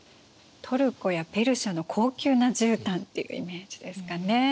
トルコやペルシャの高級なじゅうたんっていうイメージですかね。